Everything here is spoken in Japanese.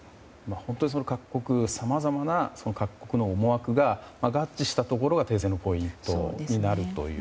本当に各国のさまざまな思惑が合致したところが停戦のポイントになるという。